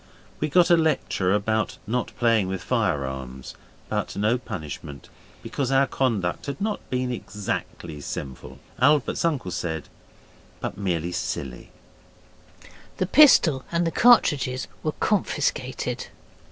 We got a lecture about not playing with firearms, but no punishment, because our conduct had not been exactly sinful, Albert's uncle said, but merely silly. The pistol and the cartridges were confiscated.